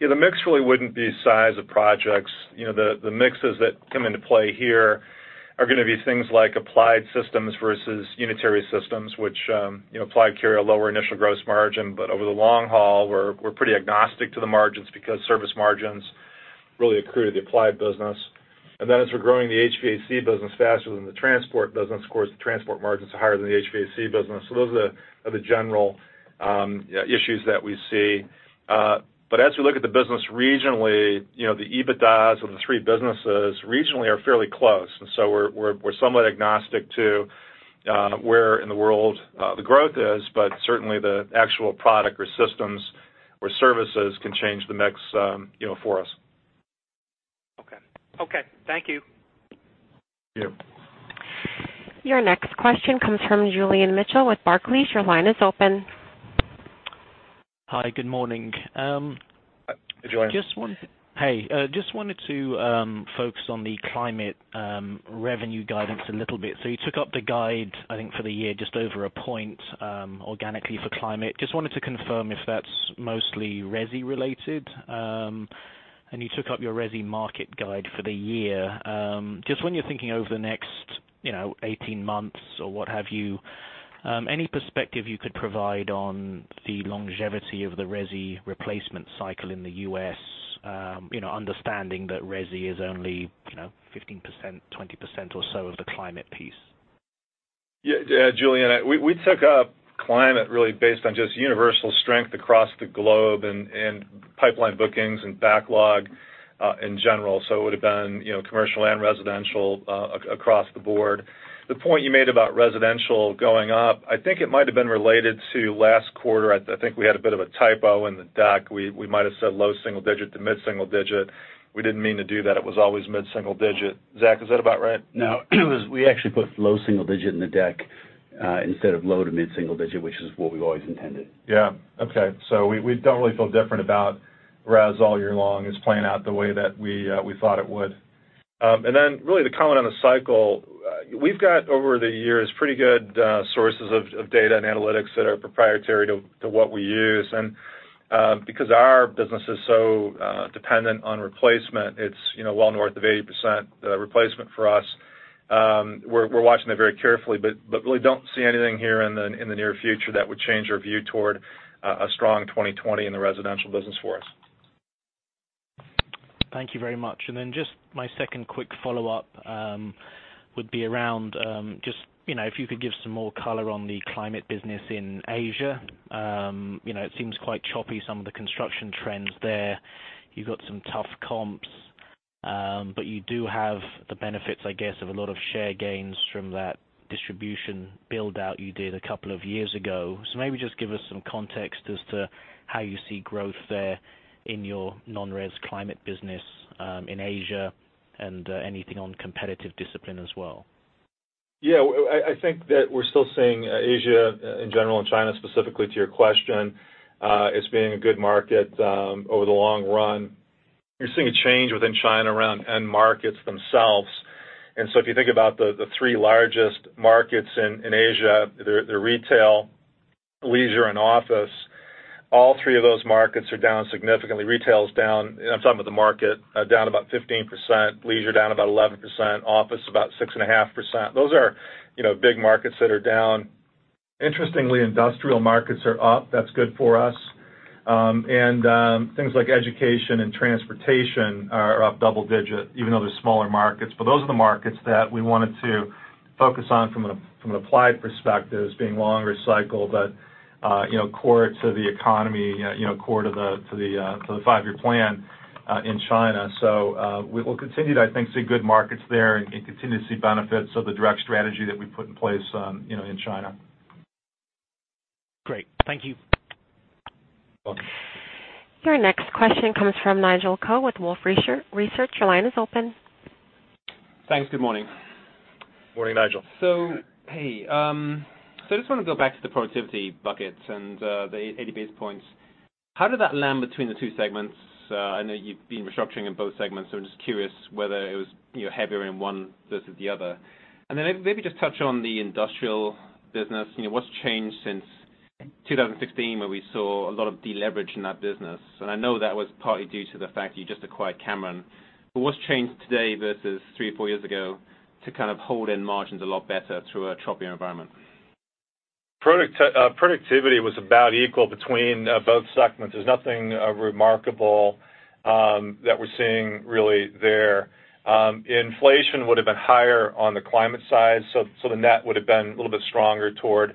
Yeah, the mix really wouldn't be size of projects. The mixes that come into play here are going to be things like applied systems versus unitary systems, which applied carry a lower initial gross margin. Over the long haul, we're pretty agnostic to the margins because service margins really accrue to the applied business. As we're growing the HVAC business faster than the transport business, of course, the transport margins are higher than the HVAC business. Those are the general issues that we see. As we look at the business regionally, the EBITDAs of the three businesses regionally are fairly close. We're somewhat agnostic to where in the world the growth is, but certainly the actual product or systems or services can change the mix for us. Okay. Thank you. Thank you. Your next question comes from Julian Mitchell with Barclays. Your line is open. Hi. Good morning. Hi, Julian. Hey. Just wanted to focus on the Climate revenue guidance a little bit. You took up the guide, I think, for the year, just over a point, organically for Climate. Just wanted to confirm if that's mostly resi related. You took up your resi market guide for the year. Just when you're thinking over the next 18 months or what have you, any perspective you could provide on the longevity of the resi replacement cycle in the U.S., understanding that resi is only 15%-20% or so of the Climate piece? Julian, we took up climate really based on just universal strength across the globe and pipeline bookings and backlog in general. It would have been commercial and residential across the board. The point you made about residential going up, I think it might have been related to last quarter. I think we had a bit of a typo in the deck. We might have said low single digit to mid single digit. We didn't mean to do that. It was always mid single digit. Zach, is that about right? No. We actually put low single digit in the deck, instead of low to mid single digit, which is what we've always intended. Yeah. Okay. We don't really feel different about res all year long. It's playing out the way that we thought it would. Really to comment on the cycle, we've got over the years pretty good sources of data and analytics that are proprietary to what we use. Because our business is so dependent on replacement, it's well north of 80% replacement for us. We're watching it very carefully, but really don't see anything here in the near future that would change our view toward a strong 2020 in the residential business for us. Thank you very much. Then just my second quick follow-up would be around if you could give some more color on the climate business in Asia. It seems quite choppy, some of the construction trends there. You've got some tough comps. You do have the benefits, I guess, of a lot of share gains from that distribution build-out you did a couple of years ago. Maybe just give us some context as to how you see growth there in your non-res climate business in Asia, and anything on competitive discipline as well. Yeah, I think that we're still seeing Asia in general, and China specifically to your question, as being a good market over the long run. You're seeing a change within China around end markets themselves. If you think about the three largest markets in Asia, they're retail, leisure, and office. All three of those markets are down significantly. Retail is down, I'm talking about the market, down about 15%, leisure down about 11%, office about 6.5%. Those are big markets that are down. Interestingly, industrial markets are up. That's good for us. Things like education and transportation are up double digit, even though they're smaller markets. Those are the markets that we wanted to focus on from an applied perspective as being longer cycle, but core to the economy, core to the five-year plan in China. We will continue to, I think, see good markets there and continue to see benefits of the direct strategy that we put in place in China. Great. Thank you. Welcome. Your next question comes from Nigel Coe with Wolfe Research. Your line is open. Thanks. Good morning. Morning, Nigel. Hey. I just want to go back to the productivity bucket and the 80 basis points. How did that land between the two segments? I know you've been restructuring in both segments, so I'm just curious whether it was heavier in one versus the other. Then maybe just touch on the industrial business. What's changed since 2016, where we saw a lot of deleverage in that business? I know that was partly due to the fact you just acquired Cameron. What's changed today versus three or four years ago to kind of hold in margins a lot better through a choppier environment? Productivity was about equal between both segments. There's nothing remarkable that we're seeing really there. Inflation would have been higher on the Climate side, the net would have been a little bit stronger toward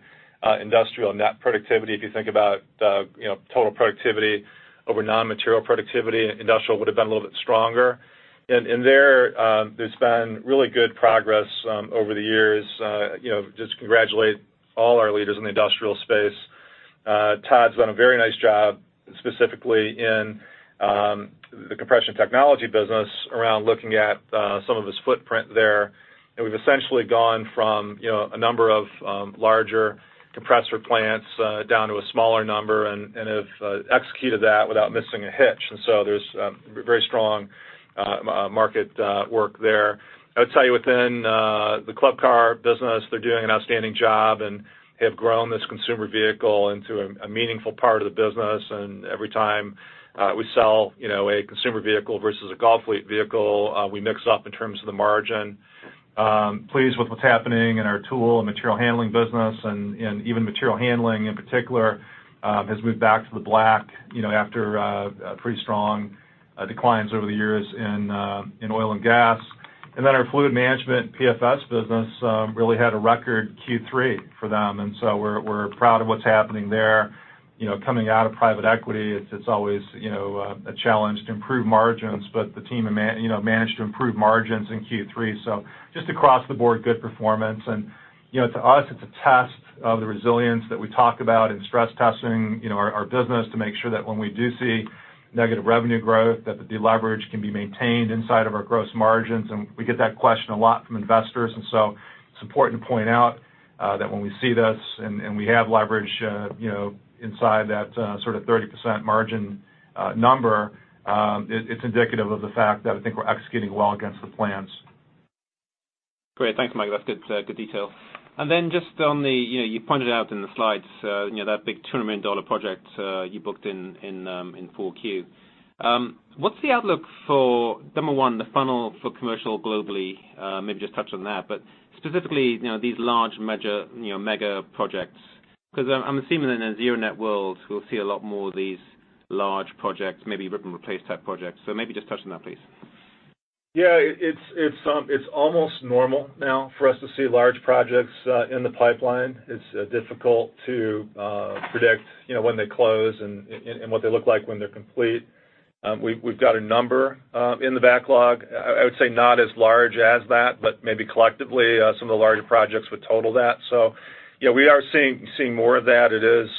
Industrial net productivity. If you think about total productivity over non-material productivity, Industrial would have been a little bit stronger. There, there's been really good progress over the years. Just congratulate all our leaders in the Industrial space. Todd's done a very nice job, specifically in the compression technology business around looking at some of his footprint there. We've essentially gone from a number of larger compressor plants down to a smaller number and have executed that without missing a hitch. There's very strong market work there. I would tell you within the Club Car business, they're doing an outstanding job and have grown this consumer vehicle into a meaningful part of the business. Every time we sell a consumer vehicle versus a golf fleet vehicle, we mix up in terms of the margin. Pleased with what's happening in our tool and material handling business. Even material handling in particular has moved back to the black after pretty strong declines over the years in oil and gas. Then our fluid management PFS business really had a record Q3 for them. So we're proud of what's happening there. Coming out of private equity, it's always a challenge to improve margins, but the team managed to improve margins in Q3. Just across the board, good performance. To us, it's a test of the resilience that we talk about in stress testing our business to make sure that when we do see negative revenue growth, that the leverage can be maintained inside of our gross margins. We get that question a lot from investors. It's important to point out that when we see this, and we have leverage inside that sort of 30% margin number, it's indicative of the fact that I think we're executing well against the plans. Great. Thanks, Mike. That's good detail. Just on the, you pointed out in the slides that big $200 million project you booked in 4Q. What's the outlook for, number 1, the funnel for commercial globally? Maybe just touch on that, but specifically these large mega projects. Because I'm assuming in a zero net world, we'll see a lot more of these large projects, maybe rip and replace type projects. Maybe just touch on that, please. It's almost normal now for us to see large projects in the pipeline. It's difficult to predict when they close and what they look like when they're complete. We've got a number in the backlog. I would say not as large as that, but maybe collectively some of the larger projects would total that. We are seeing more of that. It is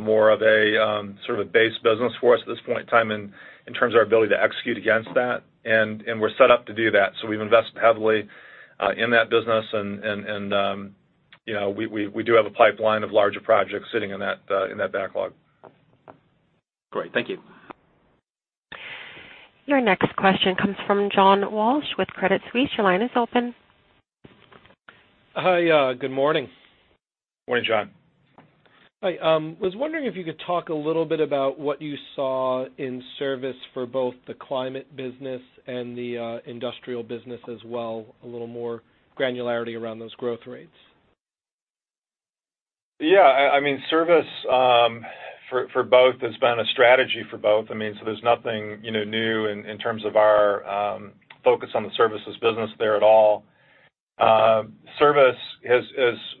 more of a base business for us at this point in time in terms of our ability to execute against that. We're set up to do that. We've invested heavily in that business, and we do have a pipeline of larger projects sitting in that backlog. Great. Thank you. Your next question comes from John Walsh with Credit Suisse. Your line is open. Hi. Good morning. Morning, John. Hi. I was wondering if you could talk a little bit about what you saw in service for both the climate business and the industrial business as well, a little more granularity around those growth rates. Yeah. Service for both has been a strategy for both. There's nothing new in terms of our focus on the services business there at all. Service has,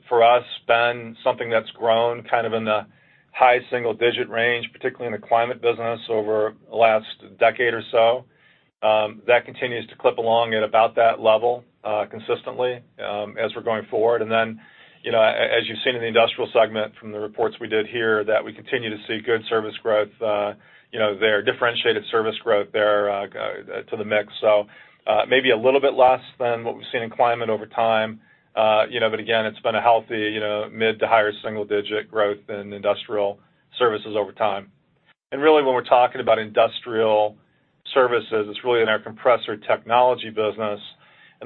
for us, been something that's grown kind of in the high single-digit range, particularly in the Climate business over the last decade or so. That continues to clip along at about that level consistently as we're going forward. Then, as you've seen in the Industrial segment from the reports we did here, that we continue to see good service growth there, differentiated service growth there to the mix. Maybe a little bit less than what we've seen in Climate over time. Again, it's been a healthy mid to higher single-digit growth in Industrial services over time. Really when we're talking about Industrial services, it's really in our compressor technology business.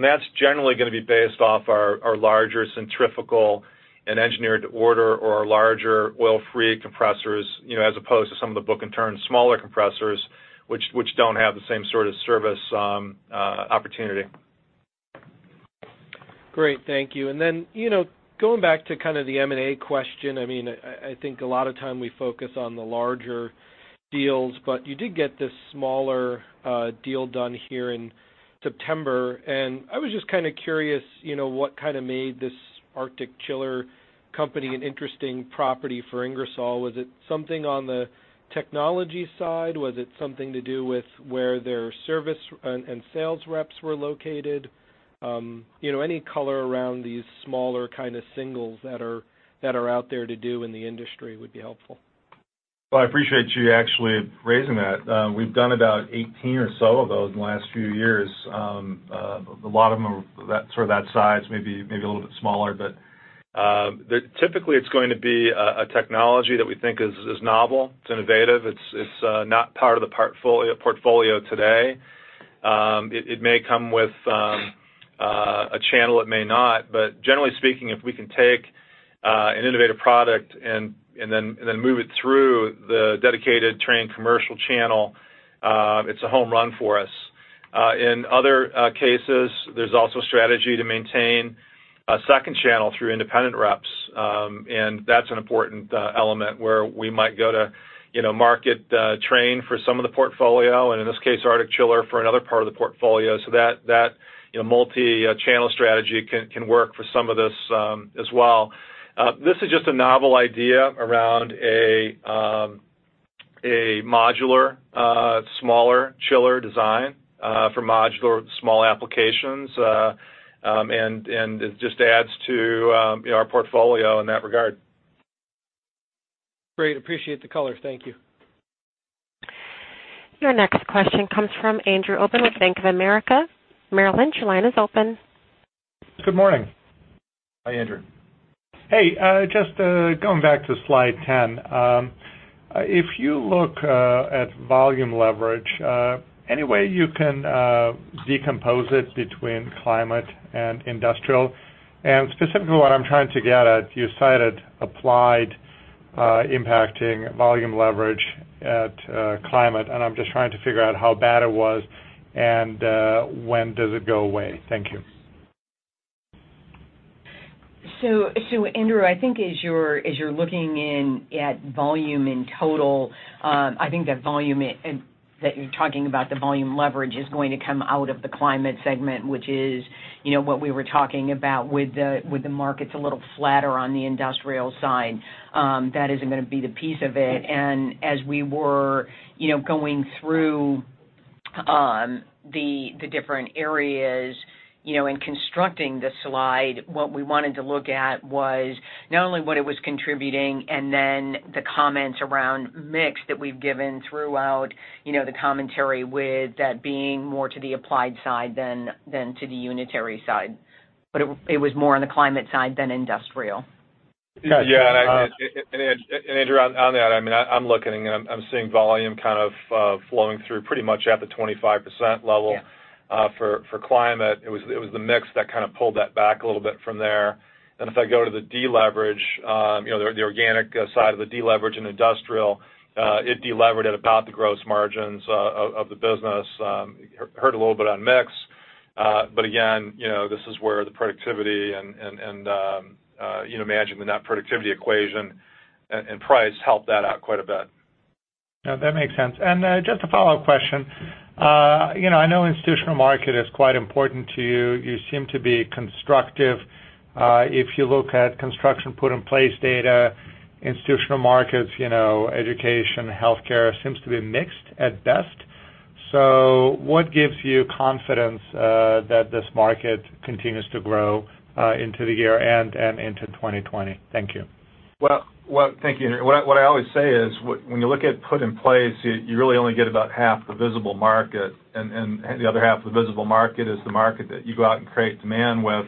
That's generally going to be based off our larger centrifugal and engineered to order or our larger oil-free compressors as opposed to some of the book-in turn smaller compressors, which don't have the same sort of service opportunity. Great. Thank you. Going back to kind of the M&A question, I think a lot of time we focus on the larger deals, but you did get this smaller deal done here in September. I was just kind of curious what kind of made this Arctic Chiller company an interesting property for Ingersoll. Was it something on the technology side? Was it something to do with where their service and sales reps were located? Any color around these smaller kind of singles that are out there to do in the industry would be helpful. Well, I appreciate you actually raising that. We've done about 18 or so of those in the last few years. A lot of them are sort of that size, maybe a little bit smaller. Typically it's going to be a technology that we think is novel, it's innovative. It's not part of the portfolio today. It may come with a channel, it may not. Generally speaking, if we can take an innovative product and then move it through the dedicated Trane commercial channel, it's a home run for us. In other cases, there's also strategy to maintain a second channel through independent reps. That's an important element where we might go to market Trane for some of the portfolio, and in this case, Arctic Chiller for another part of the portfolio. That multi-channel strategy can work for some of this as well. This is just a novel idea around a modular, smaller chiller design for modular small applications, and it just adds to our portfolio in that regard. Great. Appreciate the color. Thank you. Your next question comes from Andrew Obin of Bank of America. Marilyn, your line is open. Good morning. Hi, Andrew. Hey, just going back to slide 10. If you look at volume leverage, any way you can decompose it between climate and industrial? Specifically, what I'm trying to get at, you cited applied impacting volume leverage at climate, and I'm just trying to figure out how bad it was, and when does it go away? Thank you. Andrew Obin, I think as you're looking in at volume in total, I think that volume that you're talking about, the volume leverage, is going to come out of the Climate segment, which is what we were talking about with the markets a little flatter on the Industrial side. That isn't going to be the piece of it. As we were going through the different areas in constructing the slide, what we wanted to look at was not only what it was contributing and then the comments around mix that we've given throughout the commentary with that being more to the applied side than to the unitary side. It was more on the Climate side than Industrial. Yeah. Andrew, on that, I'm looking and I'm seeing volume kind of flowing through pretty much at the 25% level. Yeah for climate. It was the mix that kind of pulled that back a little bit from there. If I go to the deleverage, the organic side of the deleverage in industrial, it delevered at about the gross margins of the business. Hurt a little bit on mix. Again, this is where the productivity and management in that productivity equation and price helped that out quite a bit. No, that makes sense. Just a follow-up question. I know institutional market is quite important to you. You seem to be constructive. If you look at construction put in place data, institutional markets, education, healthcare seems to be mixed at best. What gives you confidence that this market continues to grow into the year and into 2020? Thank you. Well, thank you, Andrew. What I always say is when you look at put in place, you really only get about half the visible market, and the other half of the visible market is the market that you go out and create demand with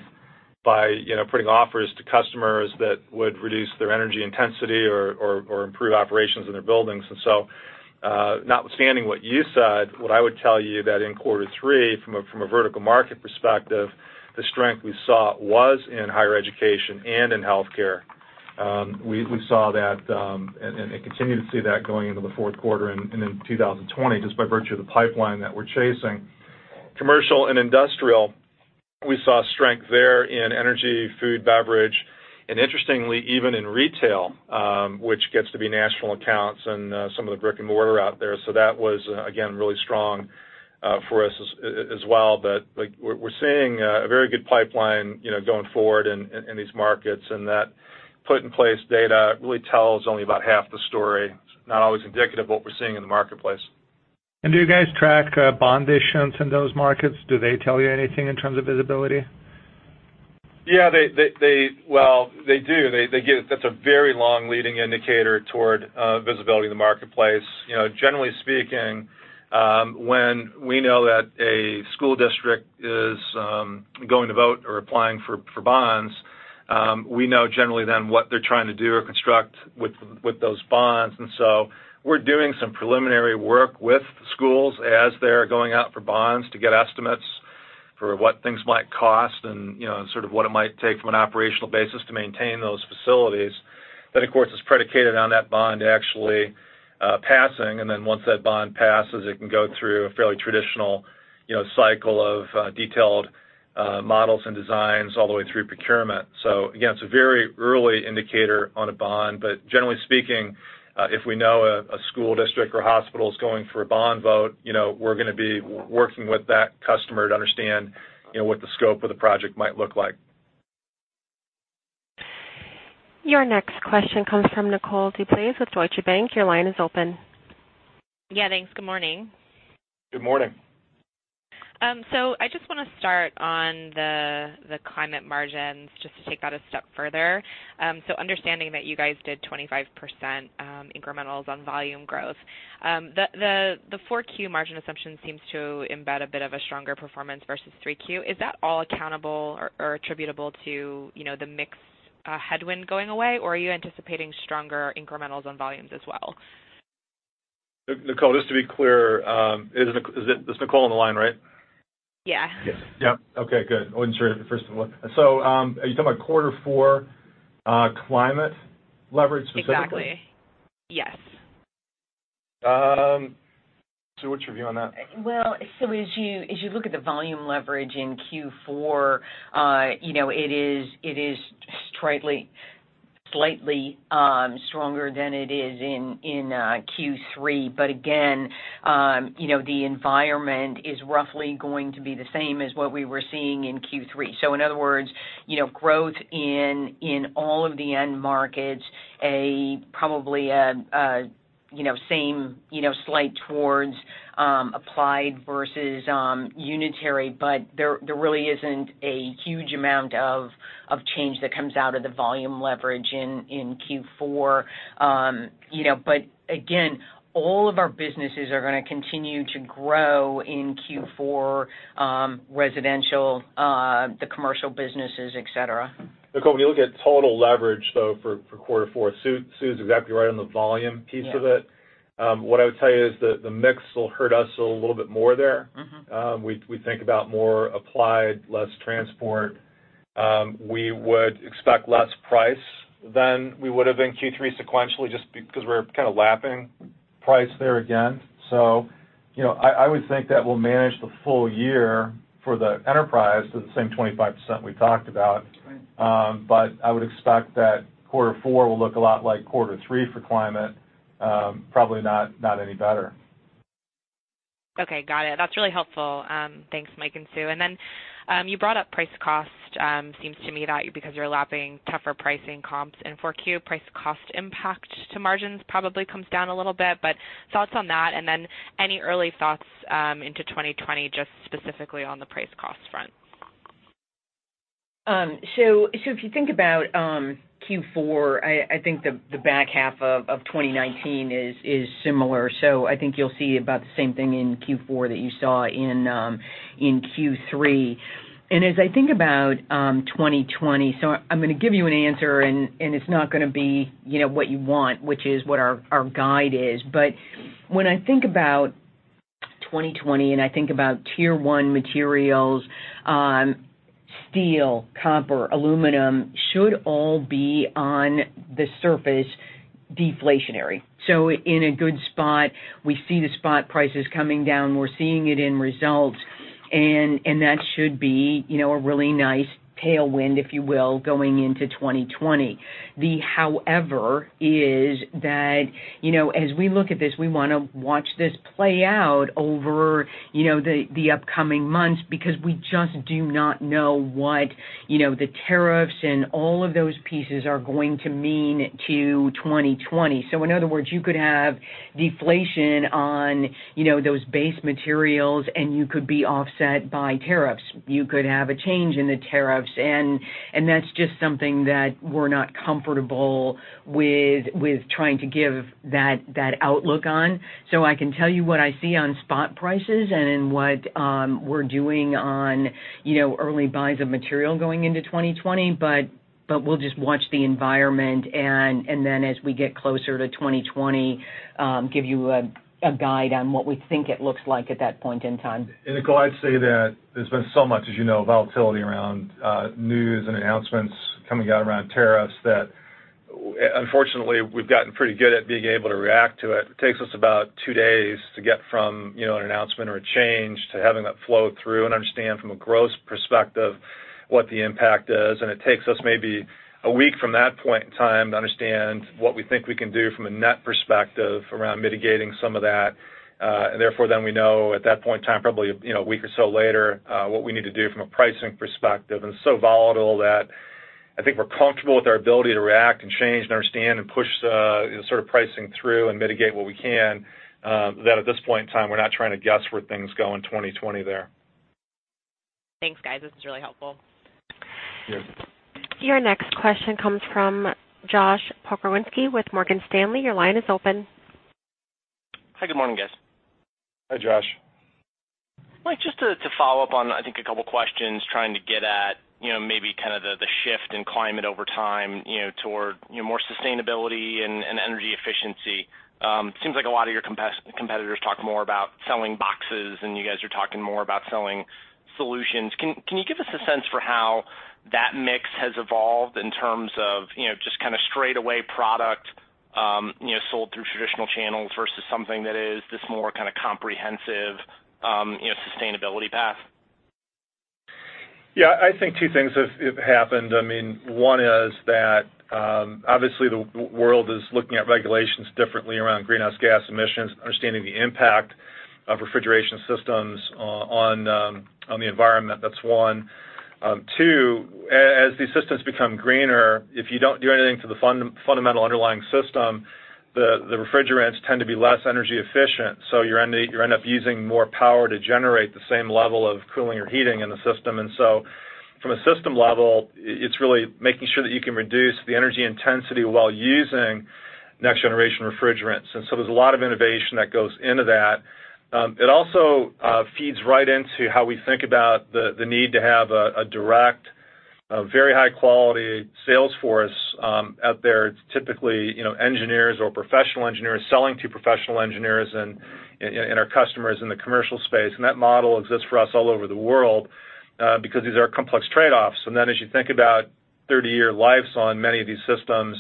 by putting offers to customers that would reduce their energy intensity or improve operations in their buildings. Notwithstanding what you said, what I would tell you that in quarter three, from a vertical market perspective, the strength we saw was in higher education and in healthcare. We saw that, and continue to see that going into the fourth quarter and in 2020, just by virtue of the pipeline that we're chasing. Commercial and industrial, we saw strength there in energy, food, beverage, and interestingly, even in retail, which gets to be national accounts and some of the brick and mortar out there. That was, again, really strong for us as well. We're seeing a very good pipeline going forward in these markets, and that put in place data really tells only about half the story. It's not always indicative of what we're seeing in the marketplace. Do you guys track bond issuance in those markets? Do they tell you anything in terms of visibility? Yeah, they do. That's a very long leading indicator toward visibility in the marketplace. Generally speaking, when we know that a school district is going to vote or applying for bonds, we know generally then what they're trying to do or construct with those bonds. We're doing some preliminary work with schools as they're going out for bonds to get estimates for what things might cost and sort of what it might take from an operational basis to maintain those facilities. That, of course, is predicated on that bond actually passing, and then once that bond passes, it can go through a fairly traditional cycle of detailed models and designs all the way through procurement. Again, it's a very early indicator on a bond, but generally speaking, if we know a school district or hospital is going for a bond vote, we're going to be working with that customer to understand what the scope of the project might look like. Your next question comes from Nicole DeBlase with Deutsche Bank. Your line is open. Yeah, thanks. Good morning. Good morning. I just want to start on the Climate margins, just to take that a step further. Understanding that you guys did 25% incrementals on volume growth. The 4Q margin assumption seems to embed a bit of a stronger performance versus 3Q. Is that all accountable or attributable to the mix headwind going away, or are you anticipating stronger incrementals on volumes as well? Nicole, just to be clear, it's Nicole on the line, right? Yeah. Yes. Yep. Okay, good. Wasn't sure first of all. Are you talking about quarter four climate leverage specifically? Exactly. Yes. What's your view on that? As you look at the volume leverage in Q4, it is slightly stronger than it is in Q3. The environment is roughly going to be the same as what we were seeing in Q3. Growth in all of the end markets, probably a slight towards applied versus unitary, but there really isn't a huge amount of change that comes out of the volume leverage in Q4. All of our businesses are going to continue to grow in Q4, residential, the commercial businesses, et cetera. Nicole, when you look at total leverage, though, for quarter four, Sue is exactly right on the volume piece of it. Yeah. What I would tell you is the mix will hurt us a little bit more there. We think about more applied, less transport. We would expect less price than we would have in Q3 sequentially, just because we're kind of lapping price there again. I would think that we'll manage the full year for the enterprise to the same 25% we talked about. Right. I would expect that quarter four will look a lot like quarter three for Climate. Probably not any better. Okay, got it. That's really helpful. Thanks, Mike and Sue. Then, you brought up price cost. Seems to me that because you're lapping tougher pricing comps in four Q, price cost impact to margins probably comes down a little bit. Thoughts on that? Then any early thoughts into 2020, just specifically on the price cost front? If you think about Q4, I think the back half of 2019 is similar. I think you'll see about the same thing in Q4 that you saw in Q3. As I think about 2020, I'm going to give you an answer, and it's not going to be what you want, which is what our guide is. When I think about 2020, and I think about tier 1 materials, steel, copper, aluminum should all be on the surface deflationary. In a good spot. We see the spot prices coming down. We're seeing it in results, and that should be a really nice tailwind, if you will, going into 2020. The however is that as we look at this, we want to watch this play out over the upcoming months, because we just do not know what the tariffs and all of those pieces are going to mean to 2020. In other words, you could have deflation on those base materials, and you could be offset by tariffs. You could have a change in the tariffs, and that's just something that we're not comfortable with trying to give that outlook on. I can tell you what I see on spot prices and what we're doing on early buys of material going into 2020, but we'll just watch the environment, and then as we get closer to 2020, give you a guide on what we think it looks like at that point in time. Nicole, I'd say that there's been so much, as you know, volatility around news and announcements coming out around tariffs that unfortunately, we've gotten pretty good at being able to react to it. It takes us about two days to get from an announcement or a change to having that flow through and understand from a gross perspective what the impact is, and it takes us maybe a week from that point in time to understand what we think we can do from a net perspective around mitigating some of that. Therefore, we know at that point in time, probably a week or so later, what we need to do from a pricing perspective. It's so volatile that I think we're comfortable with our ability to react and change and understand and push the pricing through and mitigate what we can, that at this point in time, we're not trying to guess where things go in 2020 there. Thanks, guys. This is really helpful. Yeah. Your next question comes from Joshua Pokrzywinski with Morgan Stanley. Your line is open. Hi, good morning, guys. Hi, Josh. Mike, just to follow up on, I think, a couple questions trying to get at maybe the shift in climate over time toward more sustainability and energy efficiency. Seems like a lot of your competitors talk more about selling boxes, and you guys are talking more about selling solutions. Can you give us a sense for how that mix has evolved in terms of just kind of straightaway product sold through traditional channels versus something that is this more kind of comprehensive sustainability path? Yeah. I think two things have happened. One is that, obviously the world is looking at regulations differently around greenhouse gas emissions, understanding the impact of refrigeration systems on the environment. That's one. Two, as these systems become greener, if you don't do anything to the fundamental underlying system, the refrigerants tend to be less energy efficient, so you end up using more power to generate the same level of cooling or heating in the system. From a system level, it's really making sure that you can reduce the energy intensity while using next generation refrigerants. There's a lot of innovation that goes into that. It also feeds right into how we think about the need to have a direct, very high-quality sales force out there. It's typically engineers or professional engineers selling to professional engineers and our customers in the commercial space. That model exists for us all over the world, because these are complex trade-offs. Then as you think about 30-year lives on many of these systems,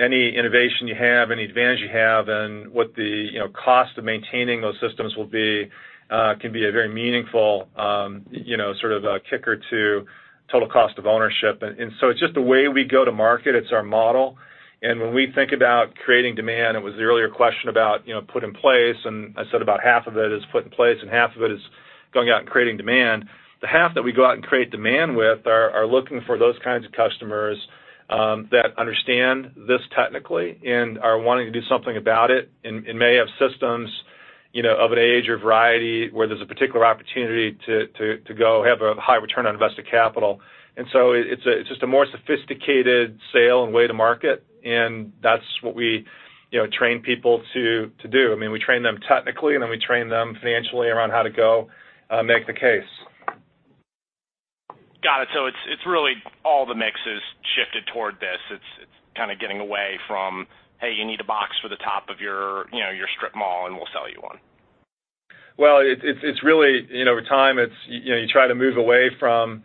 any innovation you have, any advantage you have, and what the cost of maintaining those systems will be, can be a very meaningful sort of kicker to total cost of ownership. So it's just the way we go to market. It's our model. When we think about creating demand, it was the earlier question about put in place, and I said about half of it is put in place and half of it is going out and creating demand. The half that we go out and create demand with are looking for those kinds of customers that understand this technically and are wanting to do something about it and may have systems of an age or variety where there's a particular opportunity to go have a high return on invested capital. It's just a more sophisticated sale and way to market, and that's what we train people to do. We train them technically, and then we train them financially around how to go make the case. Got it. It's really all the mix has shifted toward this. It's kind of getting away from, "Hey, you need a box for the top of your strip mall, and we'll sell you one. Well, over time, you try to move away from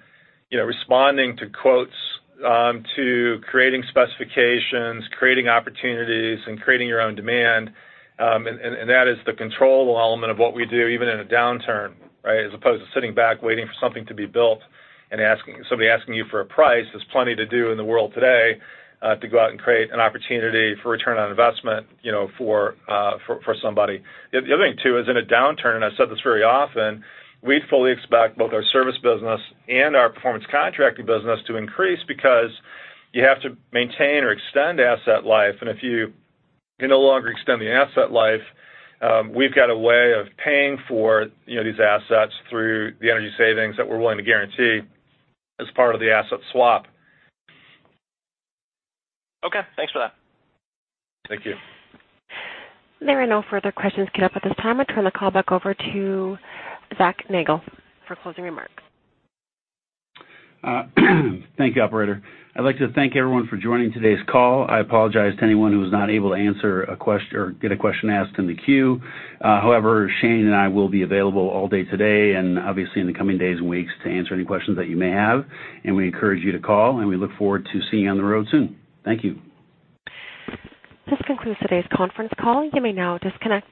responding to quotes, to creating specifications, creating opportunities, and creating your own demand. That is the controllable element of what we do, even in a downturn, right? As opposed to sitting back, waiting for something to be built and somebody asking you for a price. There's plenty to do in the world today to go out and create an opportunity for return on investment for somebody. The other thing, too, is in a downturn, and I've said this very often, we fully expect both our service business and our performance contracting business to increase because you have to maintain or extend asset life. If you can no longer extend the asset life, we've got a way of paying for these assets through the energy savings that we're willing to guarantee as part of the asset swap. Okay. Thanks for that. Thank you. There are no further questions queued up at this time. I turn the call back over to Zachary Nagle for closing remarks. Thank you, operator. I'd like to thank everyone for joining today's call. I apologize to anyone who was not able to get a question asked in the queue. Shane and I will be available all day today, and obviously in the coming days and weeks, to answer any questions that you may have. We encourage you to call, and we look forward to seeing you on the road soon. Thank you. This concludes today's conference call. You may now disconnect.